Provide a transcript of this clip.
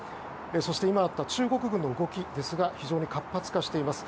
そして今あった中国軍の動きですが非常に活発化しています。